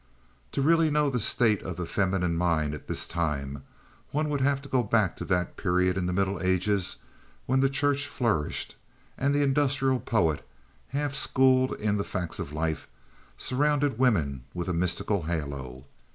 To really know the state of the feminine mind at this time, one would have to go back to that period in the Middle Ages when the Church flourished and the industrious poet, half schooled in the facts of life, surrounded women with a mystical halo.